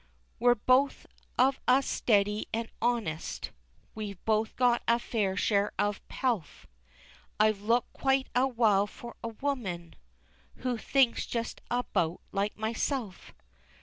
We're both of us steady an' honest, We've both got a fair share of pelf, I've looked quite a while for a woman Who thinks just about like myself."